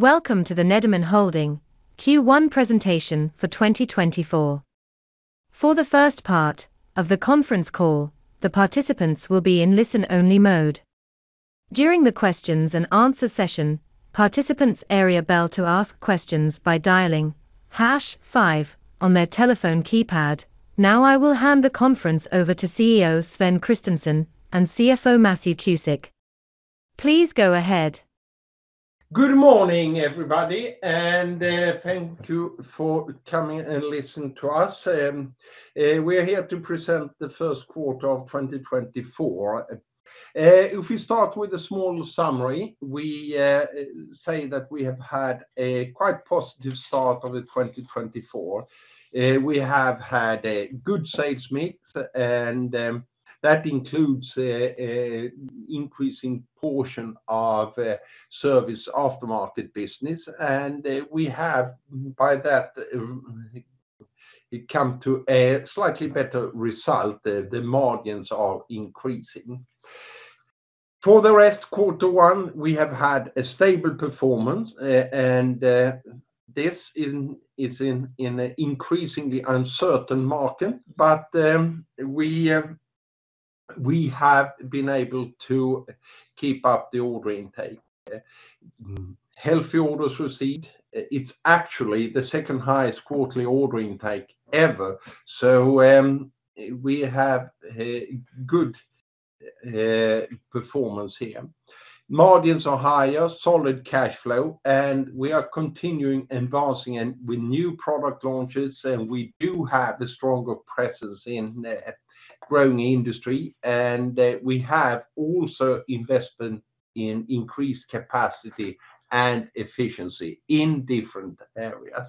Welcome to the Nederman Holding Q1 presentation for 2024. For the first part of the conference call, the participants will be in listen-only mode. During the questions and answer session, participants are able to ask questions by dialing hash five on their telephone keypad. Now, I will hand the conference over to CEO Sven Kristensson and CFO Matthew Cusick. Please go ahead. Good morning, everybody, and thank you for coming and listening to us. We are here to present the first quarter of 2024. If we start with a small summary, we say that we have had a quite positive start of the 2024. We have had a good sales mix, and that includes an increasing portion of service aftermarket business, and we have, by that, it come to a slightly better result. The margins are increasing. For the rest, quarter one, we have had a stable performance, and this is in an increasingly uncertain market. But we have been able to keep up the order intake. Healthy orders received. It's actually the second highest quarterly ordering intake ever. So we have a good performance here. Margins are higher, solid cash flow, and we are continuing advancing and with new product launches, and we do have a stronger presence in a growing industry, and we have also investment in increased capacity and efficiency in different areas.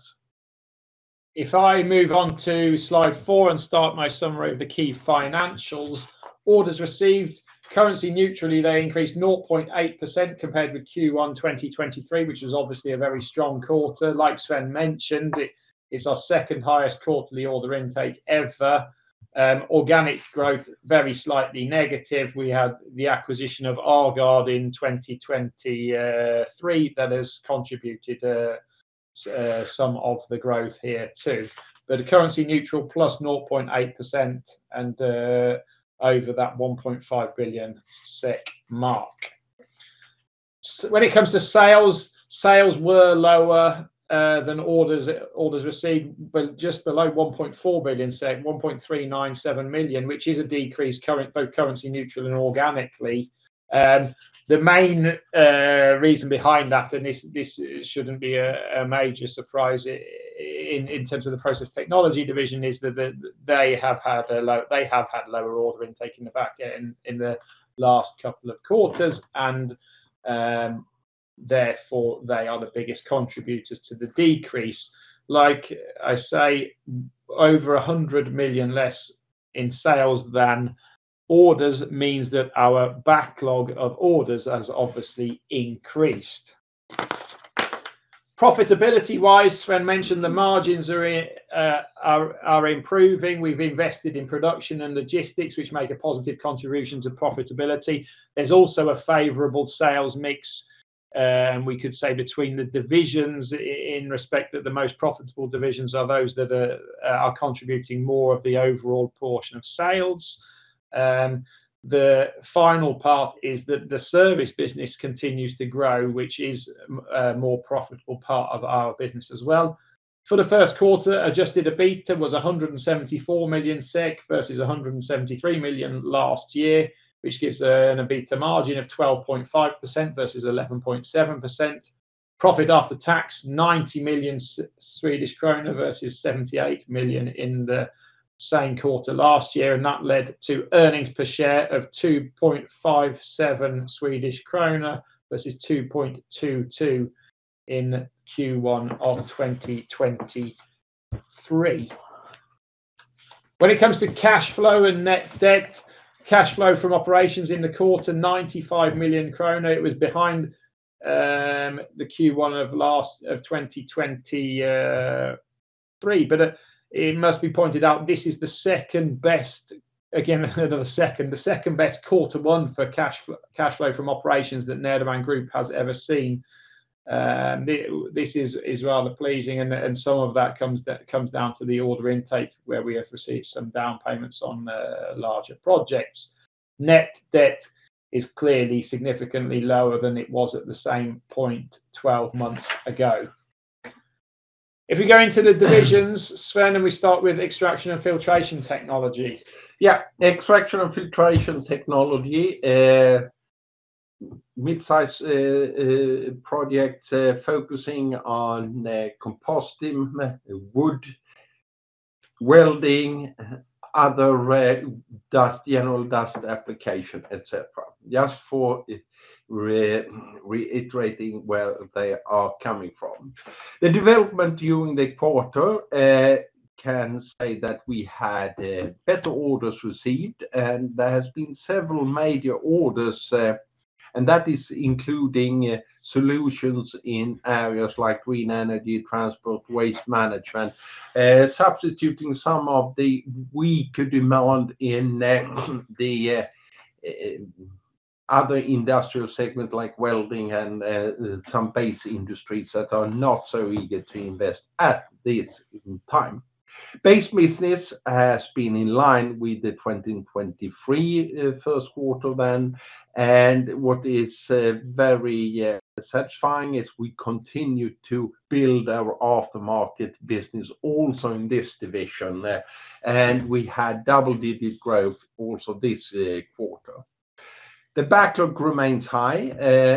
If I move on to slide four and start my summary of the key financials. Orders received, currency neutrally, they increased 0.8% compared with Q1 2023, which is obviously a very strong quarter. Like Sven mentioned, it, it's our second highest quarterly order intake ever. Organic growth, very slightly negative. We had the acquisition of Aagaard in 2023. That has contributed some of the growth here, too. But the currency neutral plus 0.8% and over that 1.5 billion SEK mark. When it comes to sales, sales were lower than orders, orders received, but just below 1.4 billion, 1.397 million, which is a decrease, both currency neutral and organically. The main reason behind that, and this shouldn't be a major surprise in terms of the Process Technology division, is that they have had lower order intake in the back end in the last couple of quarters, and therefore, they are the biggest contributors to the decrease. Like I say, over 100 million less in sales than orders means that our backlog of orders has obviously increased. Profitability-wise, Sven mentioned the margins are improving. We've invested in production and logistics, which make a positive contribution to profitability. There's also a favorable sales mix, and we could say between the divisions in respect that the most profitable divisions are those that are contributing more of the overall portion of sales. The final part is that the service business continues to grow, which is a more profitable part of our business as well. For the first quarter, Adjusted EBITDA was 174 million SEK versus 173 million last year, which gives an EBITDA margin of 12.5% versus 11.7%. Profit after tax, 90 million Swedish krona versus 78 million in the same quarter last year, and that led to earnings per share of 2.57 Swedish krona versus 2.22 in Q1 of 2023. When it comes to cash flow and net debt, cash flow from operations in the quarter, 95 million krona, it was behind the Q1 of 2023. But it must be pointed out, this is the second best, again, another second, the second best quarter one for cash flow from operations that Nederman Group has ever seen. This is rather pleasing, and some of that comes down to the order intake, where we have received some down payments on larger projects. Net debt is clearly significantly lower than it was at the same point 12 months ago. If you go into the divisions, Sven, and we start with Extraction & Filtration Technology. Yeah, Extraction & Filtration Technology, mid-size project focusing on composting, wood, welding, other red dust, general dust application, et cetera. Just reiterating where they are coming from. The development during the quarter can say that we had better orders received, and there has been several major orders, and that is including solutions in areas like green energy, transport, waste management, substituting some of the weaker demand in the other industrial segments like welding and some base industries that are not so eager to invest at this time. Base business has been in line with the 2023 first quarter then, and what is very satisfying is we continue to build our aftermarket business also in this division there, and we had double-digit growth also this quarter. The backlog remains high,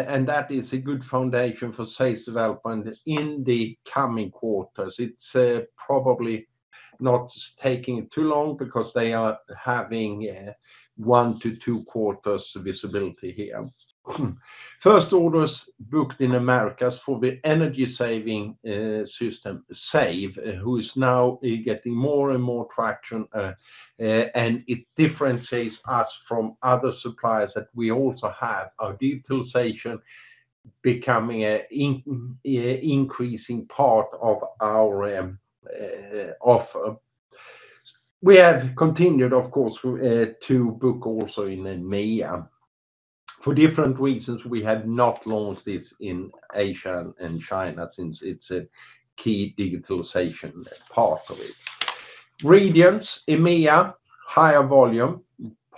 and that is a good foundation for sales development in the coming quarters. It's probably not taking too long because they are having one to two quarters visibility here. First orders booked in Americas for the energy saving system SAVE, who is now getting more and more traction, and it differentiates us from other suppliers that we also have. Our digitalization becoming an increasing part of our offer. We have continued, of course, to book also in EMEA. For different reasons, we have not launched this in Asia and China, since it's a key digitalization part of it. Regarding EMEA, higher volume,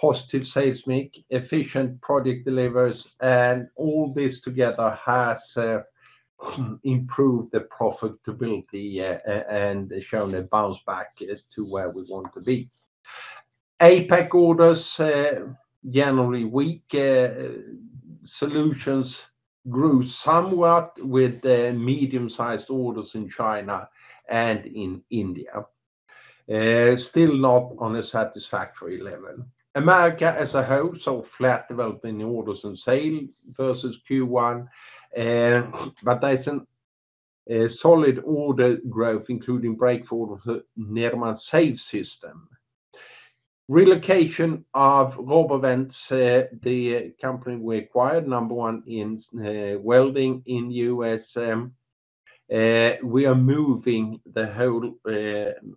positive sales mix, efficient product delivers, and all this together has improved the profitability and shown a bounce back as to where we want to be. APAC orders generally weak, solutions grew somewhat with the medium-sized orders in China and in India. Still not on a satisfactory level. America as a whole saw flat development in orders and sales versus Q1. But there's a solid order growth, including breakthrough of our SAVE system. Relocation of RoboVent, the company we acquired, number one in welding in U.S., we are moving the whole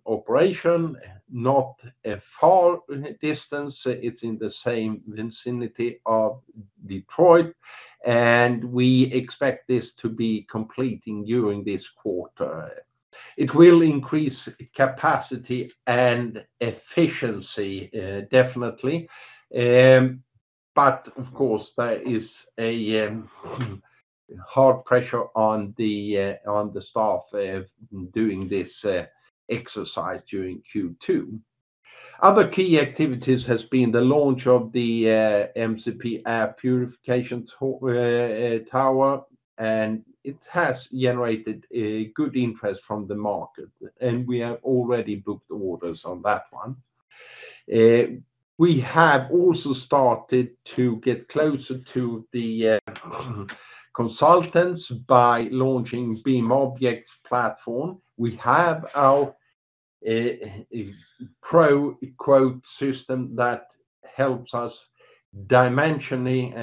operation, not a far distance. It's in the same vicinity of Detroit, and we expect this to be completing during this quarter. It will increase capacity and efficiency definitely, but of course, there is a hard pressure on the staff doing this exercise during Q2. Other key activities has been the launch of the MCP Air Purification Tower, and it has generated a good interest from the market, and we have already booked orders on that one. We have also started to get closer to the consultants by launching BIMobjects platform. We have our ProQuote system that helps us dimensioning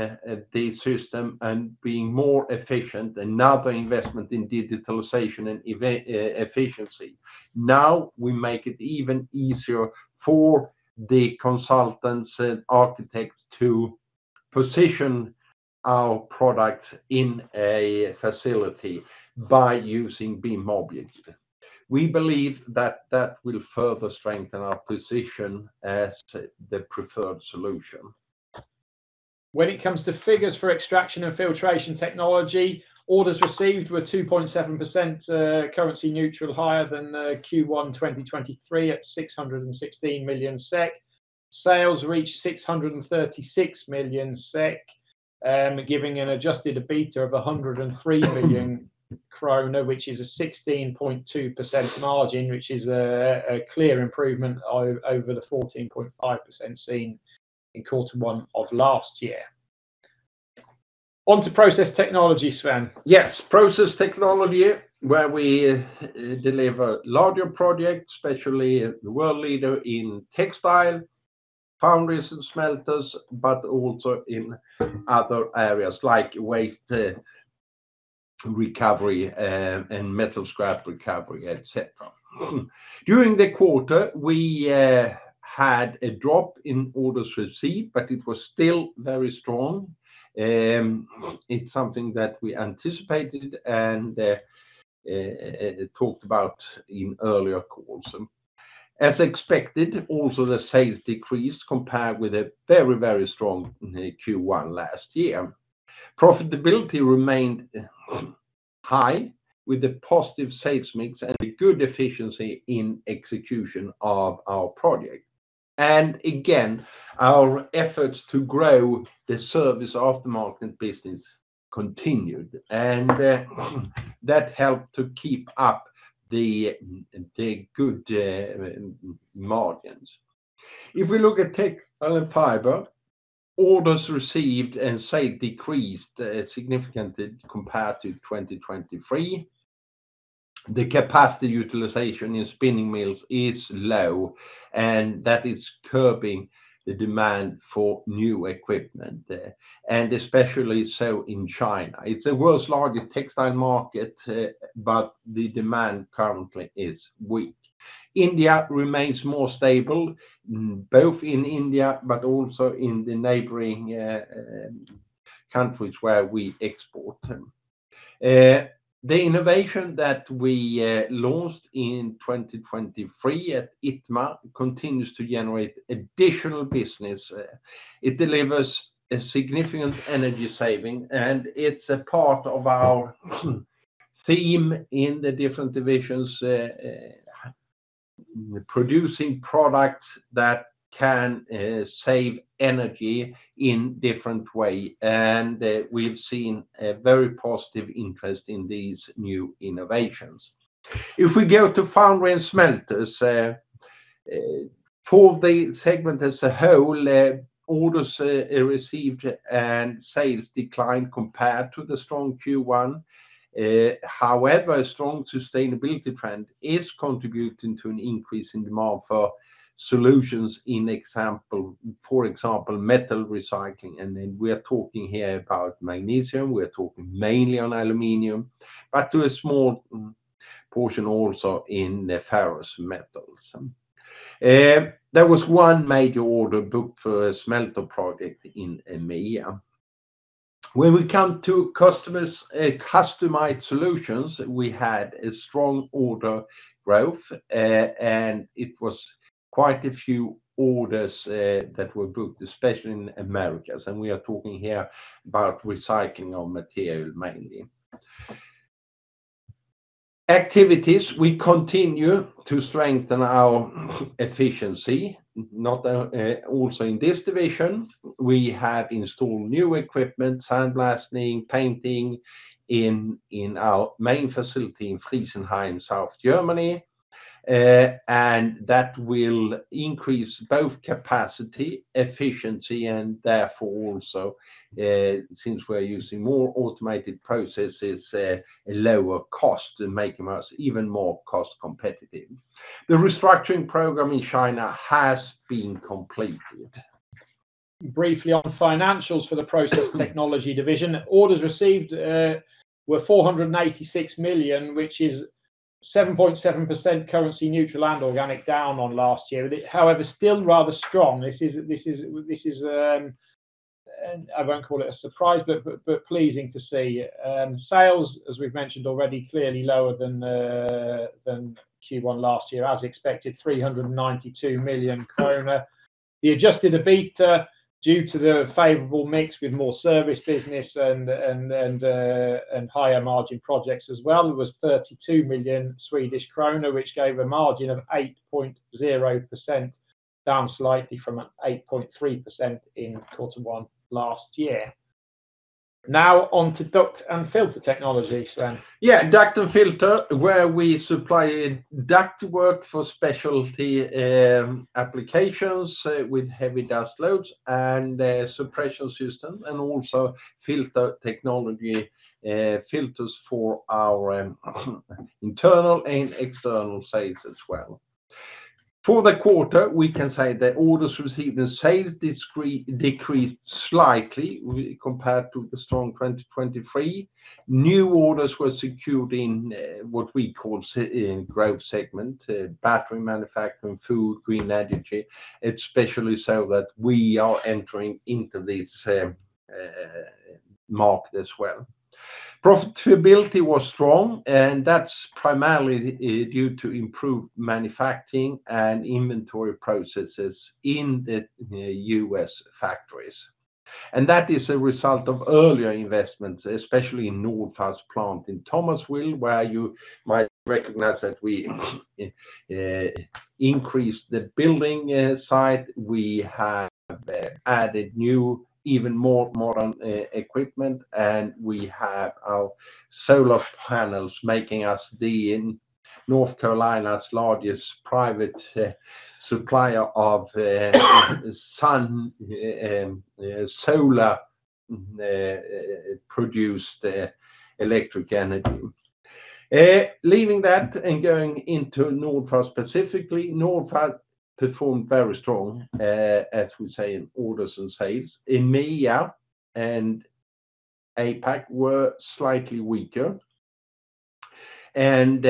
the system and being more efficient another investment in digitalization and even efficiency. Now, we make it even easier for the consultants and architects to position our product in a facility by using BIMobjects. We believe that that will further strengthen our position as the preferred solution. When it comes to figures for Extraction & Filtration Technology, orders received were 2.7% currency neutral higher than Q1 2023 at 616 million SEK. Sales reached 636 million SEK, giving an Adjusted EBITDA of 103 million krona, which is a 16.2% margin, which is a clear improvement over the 14.5% seen in quarter one of last year. On to Process Technology, Sven. Yes, Process Technology, where we deliver larger projects, especially world leader in textile, foundries and smelters, but also in other areas like waste recovery and metal scrap recovery, et cetera. During the quarter, we had a drop in orders received, but it was still very strong. It's something that we anticipated and talked about in earlier calls. As expected, also the sales decreased compared with a very, very strong Q1 last year. Profitability remained high with a positive sales mix and a good efficiency in execution of our project. Again, our efforts to grow the service aftermarket business continued, and that helped to keep up the good margins. If we look at textile and fiber, orders received and sales decreased significantly compared to 2023. The capacity utilization in spinning mills is low, and that is curbing the demand for new equipment, and especially so in China. It's the world's largest textile market, but the demand currently is weak. India remains more stable, both in India but also in the neighboring countries where we export them. The innovation that we launched in 2023 at ITMA continues to generate additional business. It delivers a significant energy saving, and it's a part of our theme in the different divisions, producing products that can save energy in different way, and we've seen a very positive interest in these new innovations. If we go to foundry and smelters, for the segment as a whole, orders received and sales declined compared to the strong Q1. However, a strong sustainability trend is contributing to an increase in demand for solutions in example, for example, metal recycling, and then we are talking here about magnesium, we're talking mainly on aluminum, but to a small portion also in the ferrous metals. There was one major order booked for a smelter project in EMEA. When we come to customers, customized solutions, we had a strong order growth, and it was quite a few orders that were booked, especially in Americas, and we are talking here about recycling of material, mainly. Activities, we continue to strengthen our efficiency, not, also in this division. We have installed new equipment, sandblasting, painting, in our main facility in Friesenheim, South Germany, and that will increase both capacity, efficiency, and therefore also, since we're using more automated processes, a lower cost, and making us even more cost competitive. The restructuring program in China has been completed. Briefly on financials for the Process Technology division. Orders received were 486 million, which is 7.7% currency neutral and organic, down on last year. However, still rather strong. This is, I won't call it a surprise, but pleasing to see. Sales, as we've mentioned already, clearly lower than Q1 last year, as expected, 392 million krona. The Adjusted EBITDA, due to the favorable mix with more service business and higher margin projects as well, was 32 million Swedish kronor, which gave a margin of 8.0%, down slightly from 8.3% in quarter one last year. Now on to Duct & Filter Technologies then. Yeah, Duct & Filter, where we supply duct work for specialty applications with heavy dust loads and suppression systems, and also filter technology, filters for our internal and external sales as well. For the quarter, we can say that orders received and sales decreased slightly compared to the strong 2023. New orders were secured in what we call in growth segment, battery manufacturing, food, green energy, especially so that we are entering into this market as well. Profitability was strong, and that's primarily due to improved manufacturing and inventory processes in the U.S. factories. And that is a result of earlier investments, especially in Nordfab's plant in Thomasville, where you might recognize that we increased the building site. We have added new, even more modern, equipment, and we have our solar panels, making us, in North Carolina, the largest private supplier of solar-produced electric energy. Leaving that and going into Nordfab specifically, Nordfab performed very strong, as we say, in orders and sales. EMEA and APAC were slightly weaker, and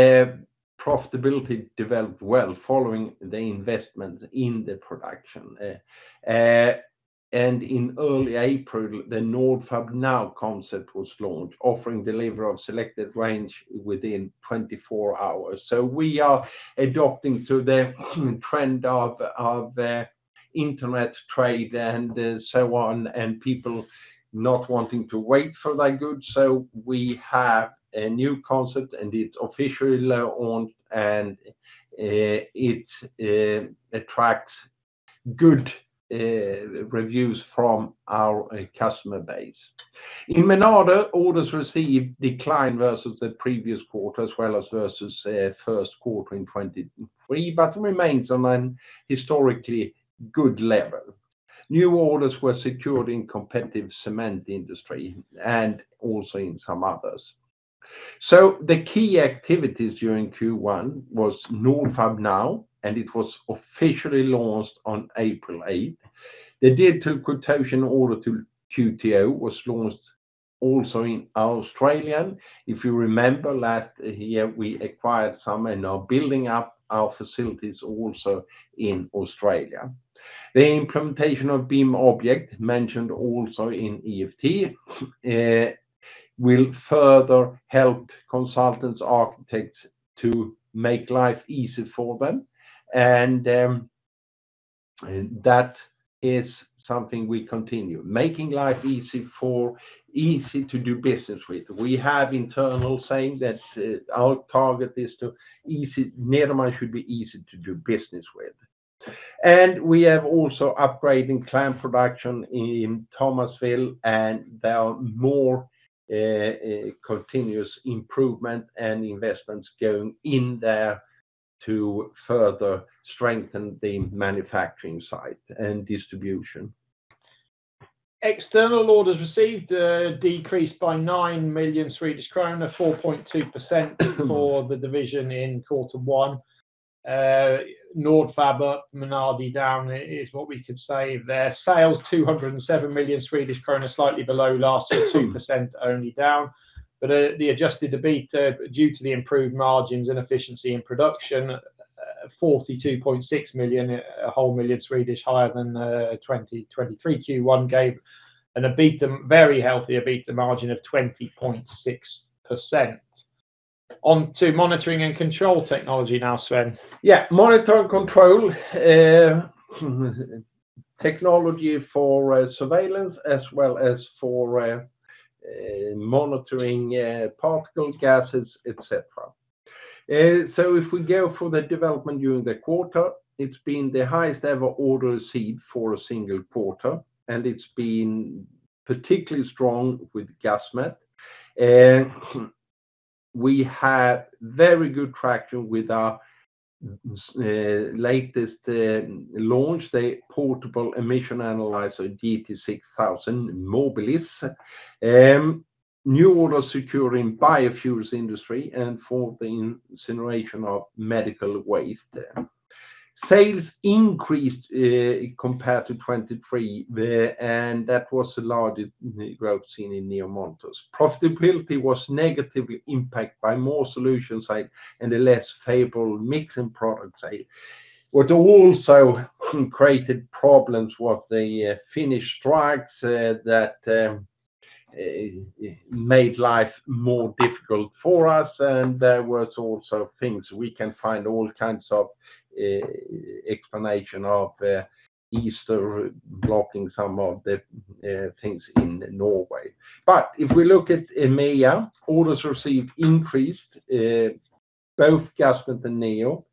profitability developed well following the investment in the production. And in early April, the Nordfab Now concept was launched, offering delivery of selected range within 24 hours. So we are adapting to the trend of internet trade and so on, and people not wanting to wait for their goods. So we have a new concept, and it's officially launched, and it attracts good reviews from our customer base. In EMEA, orders received declined versus the previous quarter, as well as versus first quarter in 2023, but remains on an historically good level. New orders were secured in competitive cement industry and also in some others. The key activities during Q1 was Nordfab Now, and it was officially launched on April 8. The Quote to Order to QTO was launched also in Australia. If you remember last year, we acquired some and are building up our facilities also in Australia. The implementation of BIM objects, mentioned also in EFT, will further help consultants, architects, to make life easy for them. And that is something we continue, making life easy for, easy to do business with. We have internal saying that our target is to Nederman should be easy to do business with. We have also upgrading plant production in Thomasville, and there are more continuous improvement and investments going in there to further strengthen the manufacturing site and distribution. External orders received decreased by 9 million Swedish kronor, 4.2% for the division in quarter one. Nordfab, Menardi down is what we could say there. Sales, 207 million Swedish krona, slightly below last year, 2% only down. But the Adjusted EBITDA, due to the improved margins and efficiency in production, 42.6 million, a whole 1 million higher than 2023 Q1 gave, and EBITDA, very healthy EBITDA margin of 20.6%. On to Monitor & Control Technology now, Sven. Yeah, Monitor & Control Technology for surveillance as well as for monitoring particle gases, et cetera. So if we go for the development during the quarter, it's been the highest ever order received for a single quarter, and it's been particularly strong with Gasmet. We have very good traction with our latest launch, the portable emission analyzer, GT6000 Mobilis. New order securing biofuels industry and for the incineration of medical waste. Sales increased compared to 2023, and that was the largest growth seen in NEO Monitors. Profitability was negatively impacted by more solution side and a less favorable mixing product side. What also created problems was the Finnish strikes that made life more difficult for us, and there was also things we can find all kinds of explanation of Easter blocking some of the things in Norway. But if we look at EMEA, orders received increased both Gasmet and Neo.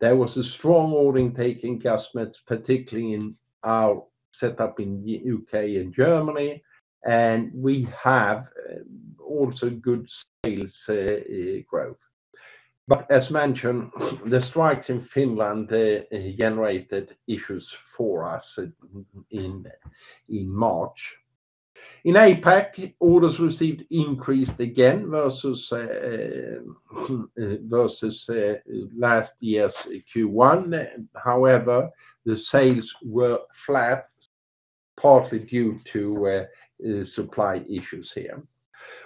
There was a strong order intake Gasmet, particularly in our setup in U.K. and Germany, and we have also good sales growth. But as mentioned, the strikes in Finland generated issues for us in March. In APAC, orders received increased again versus last year's Q1. However, the sales were flat, partly due to supply issues here.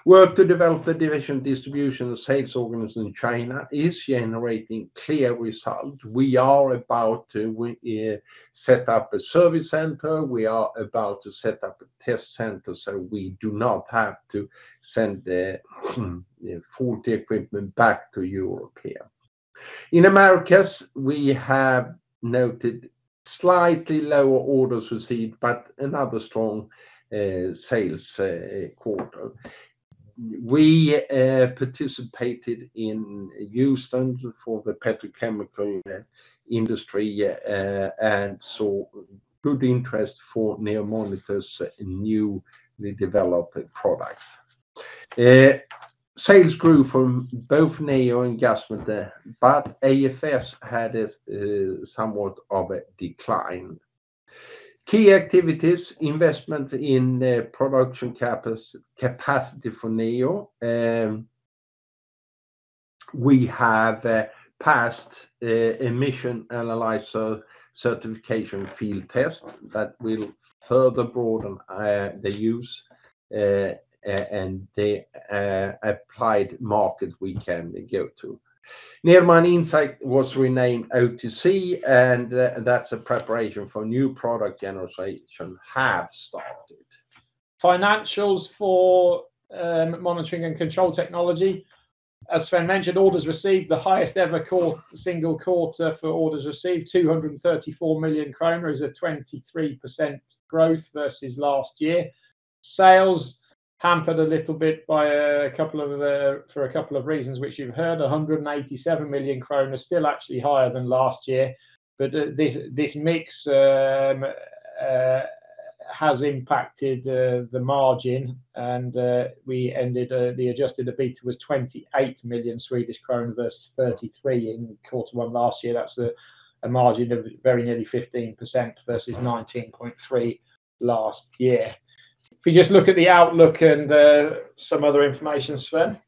Work to develop the division distribution sales organization in China is generating clear results. We are about to set up a service center. We are about to set up a test center, so we do not have to send the full equipment back to Europe here. In Americas, we have noted slightly lower orders received, but another strong sales quarter. We participated in Houston for the petrochemical industry, and saw good interest for NEO Monitors' new developed products. Sales grew from both NEO and Gasmet, but AFS had a somewhat of a decline. Key activities, investment in the production capacity for NEO. We have passed emission analyzer certification field test that will further broaden the use and the applied market we can go to. Nederman Insight was renamed OTC, and that's a preparation for new product generation have started. Financials for Monitor & Control Technology. As Sven mentioned, orders received the highest ever quarter, single quarter for orders received, 234 million kronor, is a 23% growth versus last year. Sales hampered a little bit by a couple of reasons, which you've heard, 187 million kronor, still actually higher than last year. But this mix has impacted the margin, and we ended the Adjusted EBITDA was 28 million Swedish kronor versus 33 million in quarter one last year. That's a margin of very nearly 15% versus 19.3% last year. If you just look at the outlook and some other information, Sven?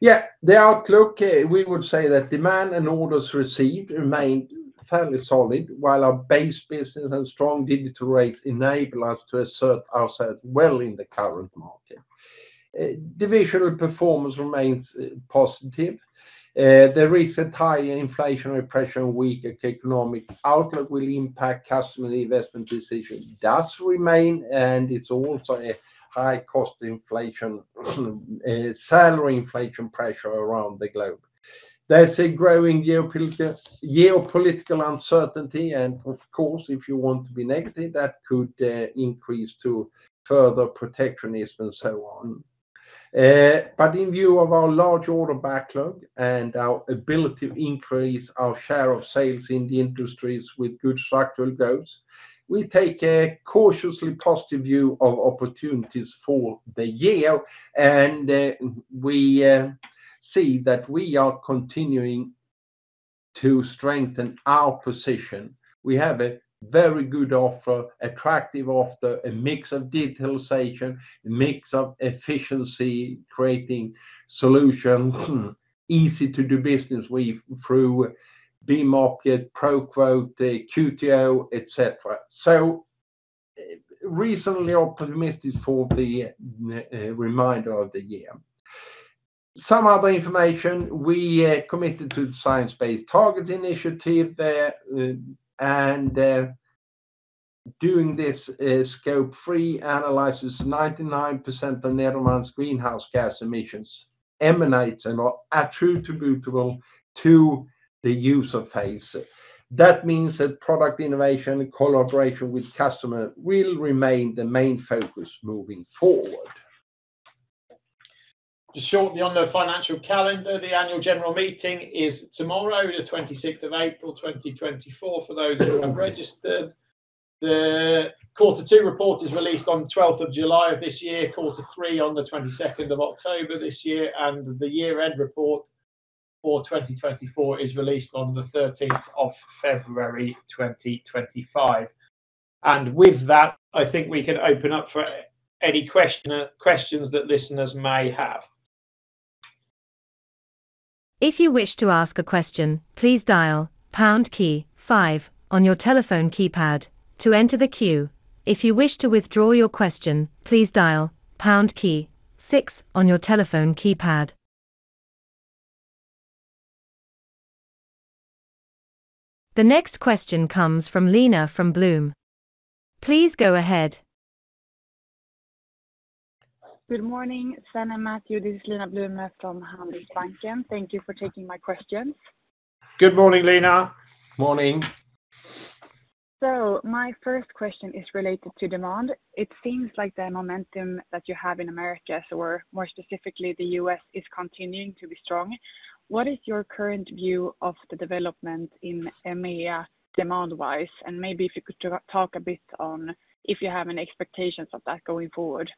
Yeah, the outlook, we would say that demand and orders received remained fairly solid, while our base business and strong digital rate enable us to assert ourselves well in the current market. Divisional performance remains positive. There is a higher inflationary pressure and weaker economic outlook will impact customer investment decision. Does remain, and it's also a high cost inflation, salary inflation pressure around the globe. There's a growing geopolitical uncertainty, and of course, if you want to be negative, that could increase to further protectionism and so on. But in view of our large order backlog and our ability to increase our share of sales in the industries with good structural growth, we take a cautiously positive view of opportunities for the year, and we see that we are continuing to strengthen our position. We have a very good offer, attractive offer, a mix of digitalization, a mix of efficiency-creating solutions, easy to do business with through BeMarket, ProQuote, the QTO, et cetera. So reasonably optimistic for the remainder of the year. Some other information, we are committed to the Science Based Target initiative, and doing this Scope 3 analysis, 99% of Nederman's greenhouse gas emissions emanates and are attributable to the use phase. That means that product innovation, collaboration with customer will remain the main focus moving forward. Just shortly on the financial calendar, the annual general meeting is tomorrow, the 26th of April, 2024, for those who have registered. The quarter two report is released on the 12th of July of this year, quarter three on the 22nd of October this year, and the year-end report for 2024 is released on the 13th of February, 2025. With that, I think we can open up for any questions that listeners may have. If you wish to ask a question, please dial pound key five on your telephone keypad to enter the queue. If you wish to withdraw your question, please dial pound key six on your telephone keypad. The next question comes from Lina Blume. Please go ahead. Good morning, Sven and Matthew. This is Lina Blume from Handelsbanken. Thank you for taking my questions. Good morning, Lina. Morning. My first question is related to demand. It seems like the momentum that you have in America, or more specifically the U.S., is continuing to be strong. What is your current view of the development in EMEA, demand wise? And maybe if you could talk a bit on if you have any expectations of that going forward?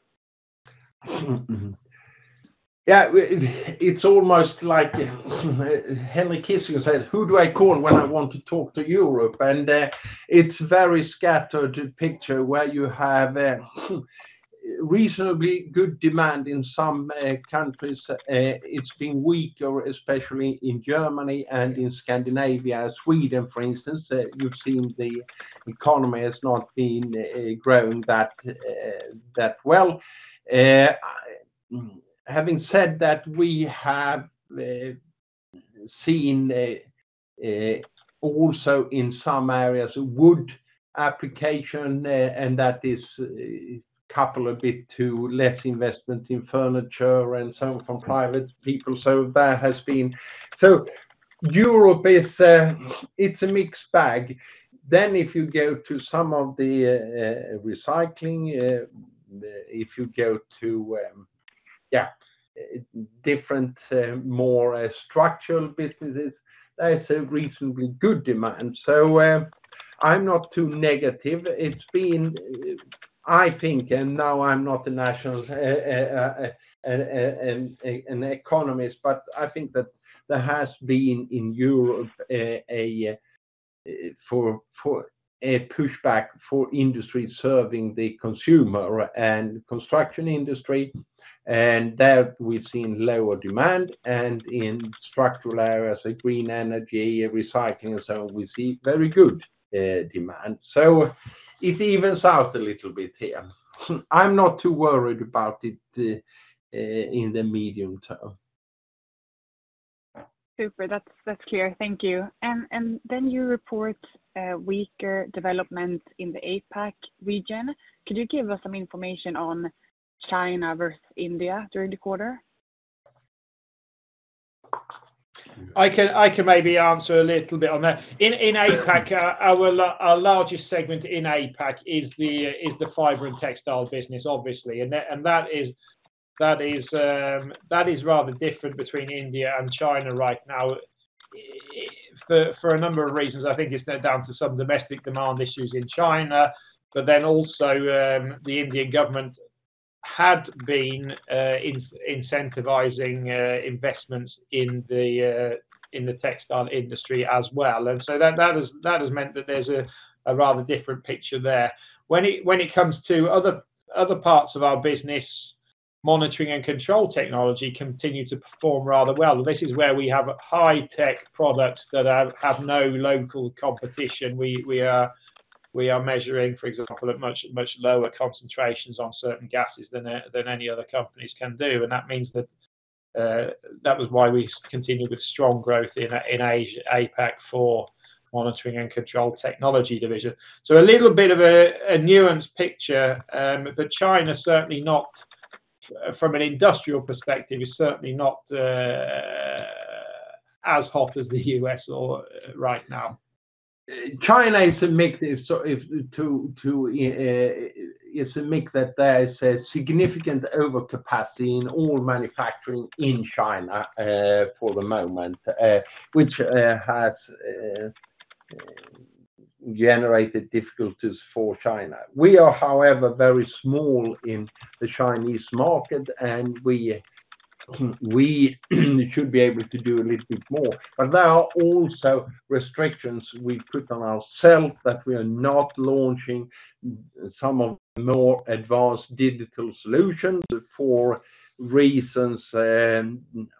Mm-hmm. Yeah, it's almost like, Henry Kissinger said: "Who do I call when I want to talk to Europe?" And, it's very scattered picture where you have, reasonably good demand in some, countries. It's been weaker, especially in Germany and in Scandinavia. Sweden, for instance, you've seen the economy has not been, growing that, that well. Having said that, we have, seen a, also in some areas, wood application, and that is coupled a bit to less investment in furniture and so from private people. So that has been... So Europe is, it's a mixed bag. Then if you go to some of the, recycling, if you go to, yeah, different, more structural businesses, there's a reasonably good demand. So, I'm not too negative. It's been, I think, and now I'm not an economist, but I think that there has been in Europe a pushback for industry serving the consumer and construction industry, and there we've seen lower demand and in structural areas like green energy and recycling and so on, we see very good demand. So it evens out a little bit here. I'm not too worried about it in the medium term. Super, that's, that's clear. Thank you. And, and then you report a weaker development in the APAC region. Could you give us some information on China versus India during the quarter? I can, I can maybe answer a little bit on that. In APAC, our largest segment in APAC is the fiber and textile business, obviously. And that is rather different between India and China right now, for a number of reasons. I think it's down to some domestic demand issues in China, but then also, the Indian government had been incentivizing investments in the textile industry as well. And so that has meant that there's a rather different picture there. When it comes to other parts of our business, Monitor & Control Technology continue to perform rather well. This is where we have a high-tech product that have no local competition. We are measuring, for example, at much, much lower concentrations on certain gases than any other companies can do. And that means that that was why we continued with strong growth in Asia, APAC for Monitor & Control Technology division. So a little bit of a nuanced picture, but China certainly not, from an industrial perspective, is certainly not as hot as the U.S. or right now. China is a mix that there is a significant overcapacity in all manufacturing in China, for the moment, which has generated difficulties for China. We are, however, very small in the Chinese market, and we should be able to do a little bit more. But there are also restrictions we put on ourselves, that we are not launching some of the more advanced digital solutions for reasons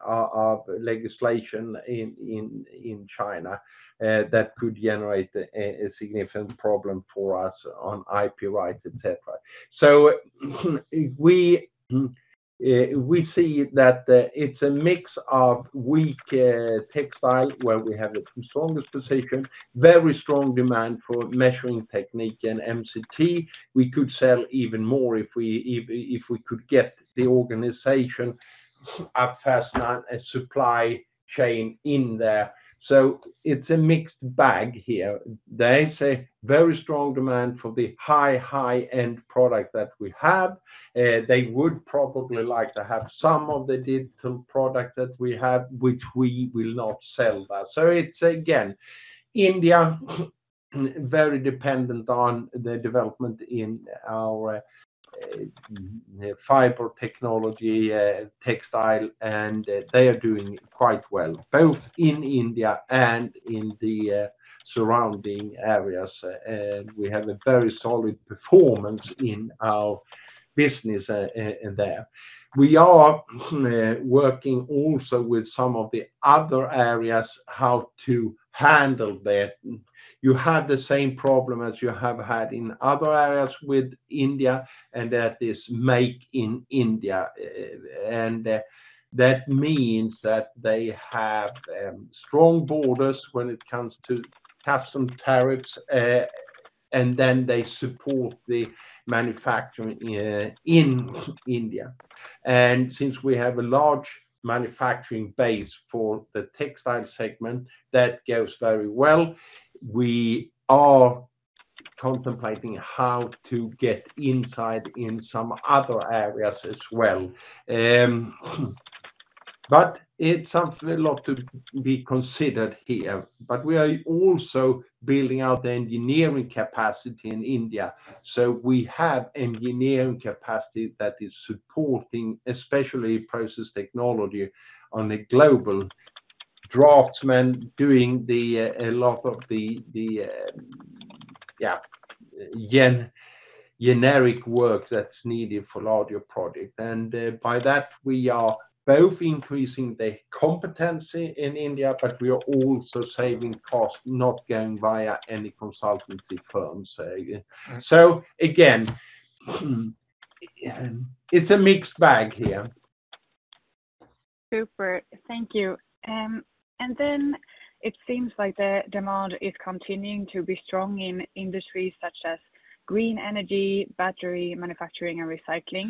of legislation in China, that could generate a significant problem for us on IP rights, et cetera. So, we see that it's a mix of weak textile, where we have the strongest position, very strong demand for measuring technique and MCT. We could sell even more if we could get the organization up as a supply chain in there. So it's a mixed bag here. There is a very strong demand for the high-end product that we have. They would probably like to have some of the digital product that we have, which we will not sell that. So it's again India, very dependent on the development in our fiber technology textile, and they are doing quite well, both in India and in the surrounding areas. We have a very solid performance in our business there. We are working also with some of the other areas, how to handle that. You have the same problem as you have had in other areas with India, and that is Make in India. That means that they have strong borders when it comes to customs tariffs, and then they support the manufacturing in India. Since we have a large manufacturing base for the textile segment, that goes very well. We are contemplating how to get inside in some other areas as well. But it's something a lot to be considered here. We are also building out the engineering capacity in India. So we have engineering capacity that is supporting, especially Process Technology on a global draftsman, doing a lot of the generic work that's needed for larger project. And by that, we are both increasing the competency in India, but we are also saving cost, not going via any consultancy firms. So again, it's a mixed bag here. Super. Thank you. And then it seems like the demand is continuing to be strong in industries such as green energy, battery manufacturing, and recycling.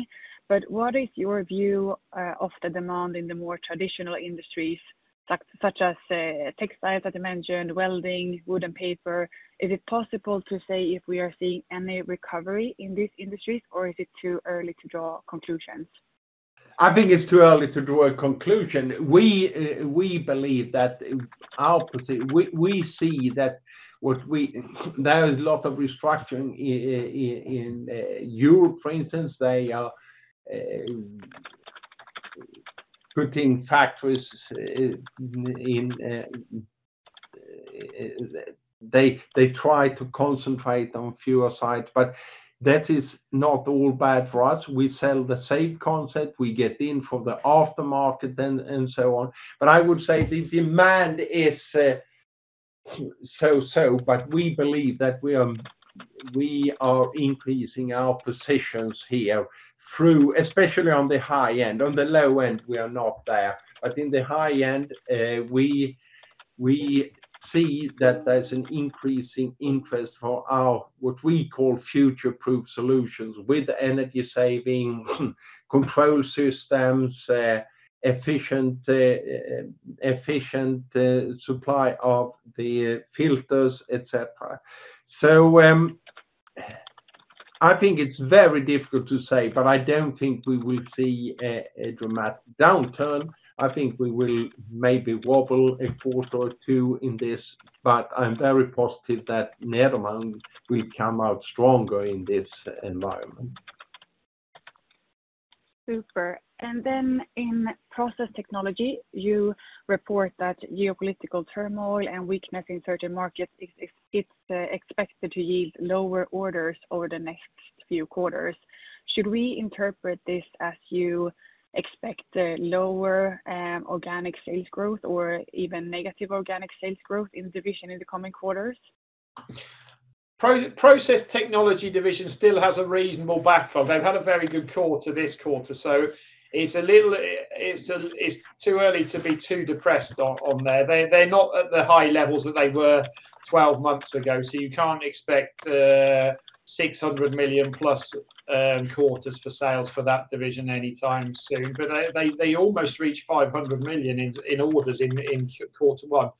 But what is your view of the demand in the more traditional industries, such as textiles, as I mentioned, welding, wood and paper? Is it possible to say if we are seeing any recovery in these industries, or is it too early to draw conclusions? I think it's too early to draw a conclusion. We believe that our position. We see that what we, there is a lot of restructuring in Europe, for instance, they are putting factories in, they try to concentrate on fewer sites, but that is not all bad for us. We sell the same concept, we get in from the aftermarket then, and so on. But I would say the demand is so, so. But we believe that we are increasing our positions here through, especially on the high end. On the low end, we are not there, but in the high end, we see that there's an increasing interest for our, what we call future-proof solutions, with energy saving, control systems, efficient supply of the filters, et cetera. So, I think it's very difficult to say, but I don't think we will see a dramatic downturn. I think we will maybe wobble a quarter or two in this, but I'm very positive that Nederman will come out stronger in this environment. Super. And then in Process Technology, you report that geopolitical turmoil and weakness in certain markets is expected to yield lower orders over the next few quarters. Should we interpret this as you expect a lower organic sales growth or even negative organic sales growth in division in the coming quarters? Process Technology division still has a reasonable backlog. They've had a very good quarter this quarter, so it's a little, it's too early to be too depressed on, on there. They're not at the high levels that they were 12 months ago, so you can't expect 600 million+ quarters for sales for that division anytime soon. But they almost reached 500 million in orders in quarter one.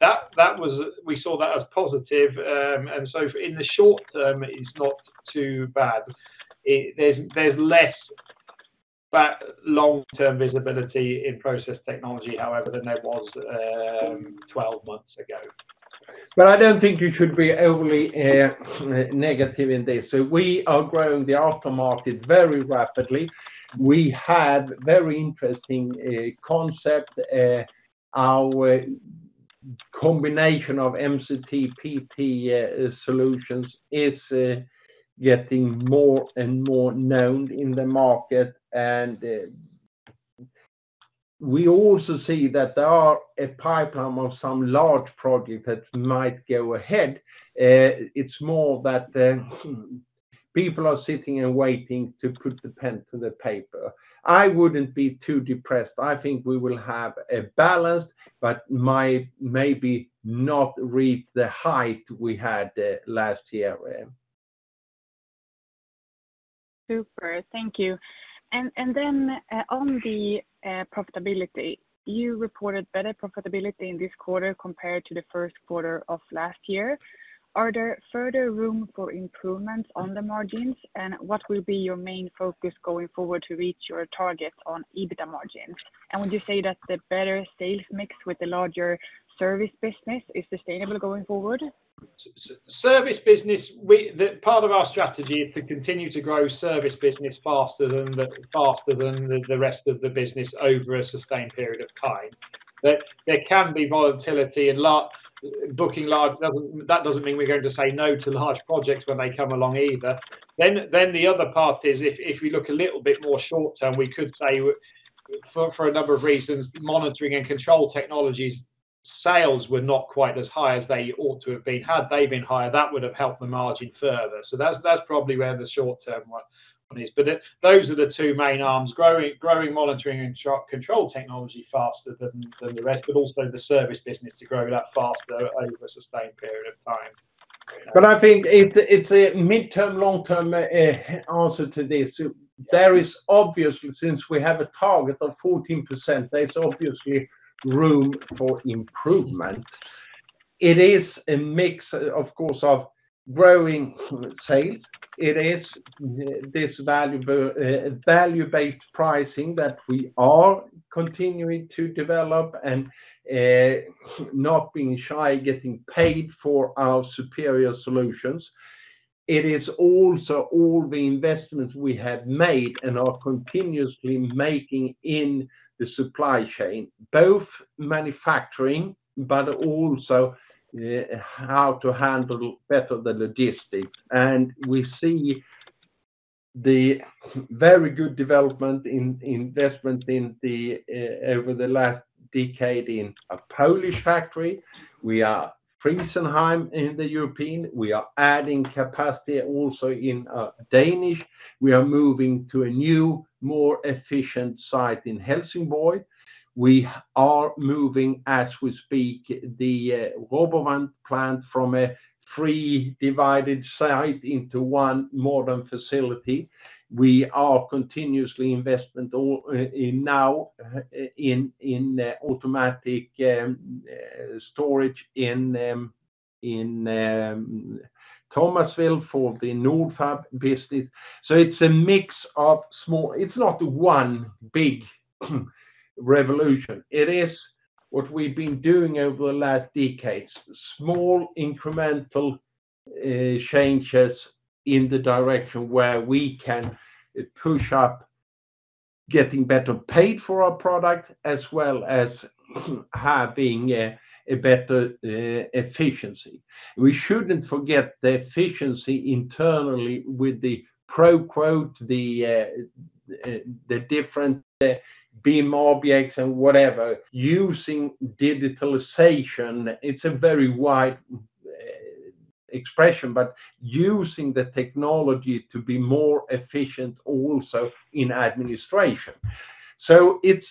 That was- we saw that as positive. And so in the short term, it's not too bad. There's less that long-term visibility in Process Technology, however, than there was 12 months ago. But I don't think you should be overly negative in this. So we are growing the aftermarket very rapidly. We have very interesting concept, our combination of MCT, PT solutions is getting more and more known in the market, and we also see that there are a pipeline of some large projects that might go ahead. It's more that people are sitting and waiting to put the pen to the paper. I wouldn't be too depressed. I think we will have a balance, but my- maybe not reach the height we had last year. Super. Thank you. And, and then, on the, profitability, you reported better profitability in this quarter compared to the first quarter of last year. Are there further room for improvements on the margins? And what will be your main focus going forward to reach your targets on EBITDA margins? And would you say that the better sales mix with the larger service business is sustainable going forward? Service business, we—the part of our strategy is to continue to grow service business faster than the rest of the business over a sustained period of time. But there can be volatility in large, booking large. That doesn't mean we're going to say no to large projects when they come along either. Then the other part is if we look a little bit more short term, we could say for a number of reasons, Monitor & Control Technology, sales were not quite as high as they ought to have been. Had they been higher, that would have helped the margin further. So that's probably where the short term one is. But those are the two main arms, growing, growing, Monitor & Control Technology faster than, than the rest, but also the service business to grow that faster over a sustained period of time. But I think it's a midterm, long-term answer to this. There is obviously, since we have a target of 14%, there's obviously room for improvement. It is a mix, of course, of growing sales. It is this valuable value-based pricing that we are continuing to develop and, not being shy, getting paid for our superior solutions. It is also all the investments we have made and are continuously making in the supply chain, both manufacturing, but also how to handle better the logistics. And we see the very good development in investment in the over the last decade in a Polish factory. We are Friesheim in Europe, we are adding capacity also in Denmark. We are moving to a new, more efficient site in Helsingborg. We are moving, as we speak, the RoboVent plant from a three divided site into one modern facility. We are continuously investing all in now in automatic storage in Thomasville for the Nordfab business. So it's a mix of small—it's not one big revolution. It is what we've been doing over the last decades, small incremental changes in the direction where we can push up, getting better paid for our product, as well as having a better efficiency. We shouldn't forget the efficiency internally with the ProQuote, the different BIM objects and whatever, using digitalization, it's a very wide expression, but using the technology to be more efficient also in administration. So it's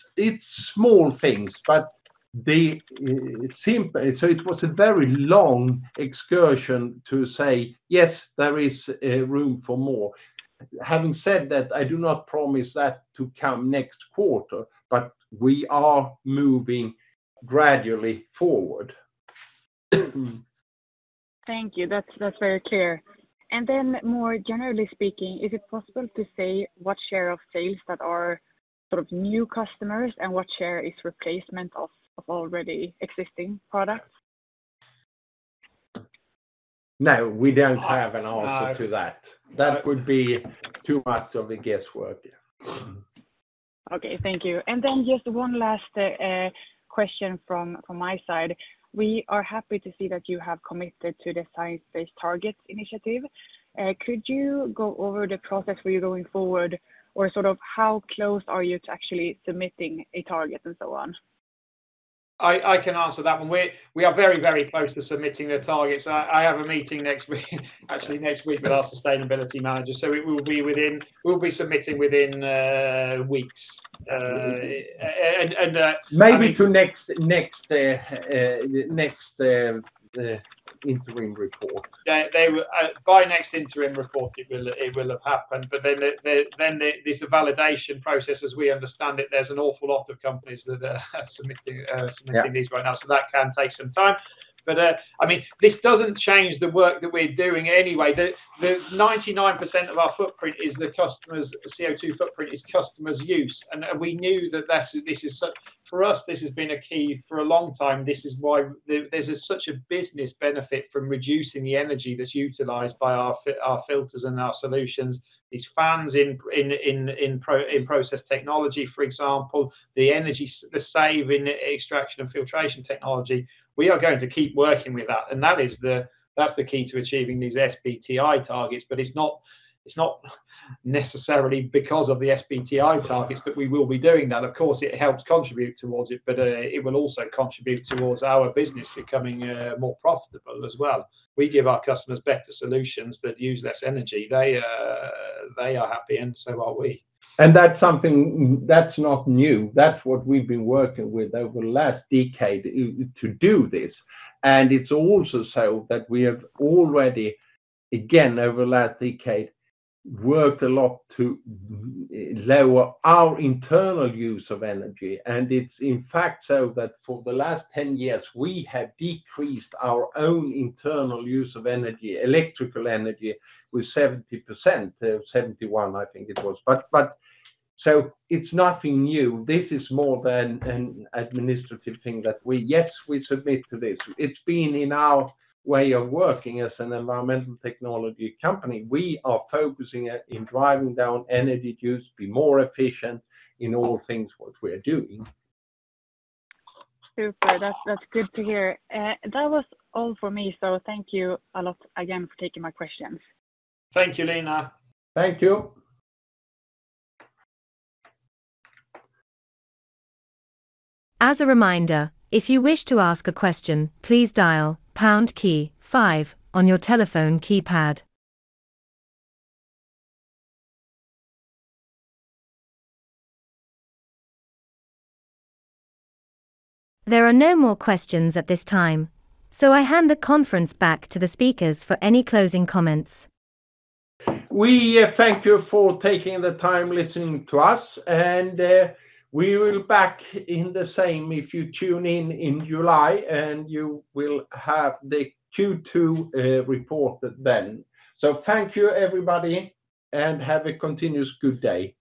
small things, but so it was a very long excursion to say, yes, there is room for more. Having said that, I do not promise that to come next quarter, but we are moving gradually forward. Thank you. That's, that's very clear. And then, more generally speaking, is it possible to say what share of sales that are sort of new customers, and what share is replacement of, of already existing products? No, we don't have an answer to that. That would be too much of a guesswork. Okay, thank you. Then just one last question from my side. We are happy to see that you have committed to the Science Based Targets initiative. Could you go over the process for you going forward, or sort of how close are you to actually submitting a target and so on? I can answer that one. We are very, very close to submitting the targets. I have a meeting next week, actually next week, with our sustainability manager. So we will be within—we'll be submitting within weeks. Maybe to next interim report. Yeah, they will. By next interim report, it will have happened. But then there's a validation process, as we understand it. There's an awful lot of companies that are submitting, submitting- Yeah These right now, so that can take some time. But, I mean, this doesn't change the work that we're doing anyway. The 99% of our footprint is the customers' CO2 footprint, is customers' use. And we knew that this is such, for us, this has been a key for a long time. This is why there's such a business benefit from reducing the energy that's utilized by our filters and our solutions. These fans in Process Technology, for example, the energy saving Extraction & Filtration Technology, we are going to keep working with that. And that's the key to achieving these SBTi targets. But it's not necessarily because of the SBTi targets, but we will be doing that. Of course, it helps contribute towards it, but, it will also contribute towards our business becoming, more profitable as well. We give our customers better solutions that use less energy. They, they are happy, and so are we. That's something, that's not new. That's what we've been working with over the last decade, to do this. It's also so that we have already, again, over the last decade, worked a lot to lower our internal use of energy. It's, in fact, so that for the last 10 years, we have decreased our own internal use of energy, electrical energy, with 70%. 71, I think it was. But so it's nothing new. This is more than an administrative thing that we, yes, we submit to this. It's been in our way of working as an environmental technology company. We are focusing at, in driving down energy use, be more efficient in all things what we are doing. Super, that's, that's good to hear. That was all for me, so thank you a lot again for taking my questions. Thank you, Lina. Thank you. As a reminder, if you wish to ask a question, please dial pound key five on your telephone keypad. There are no more questions at this time, so I hand the conference back to the speakers for any closing comments. We thank you for taking the time listening to us, and we will back in the same if you tune in in July, and you will have the Q2 report then. So thank you, everybody, and have a continuous good day.